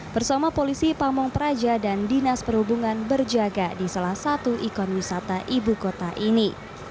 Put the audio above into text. bersama polisi pamung praja dan dinas perhubungan berjaga di salah satu ikon wisata ibu kota ini